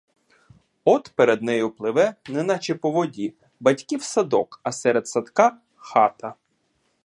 От перед нею пливе, неначе по воді, батьків садок, а серед садка хата.